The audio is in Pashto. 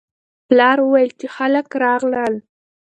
پلار وویل چې خلک راغلل.